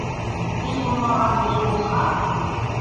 Бей булмаған бей булһа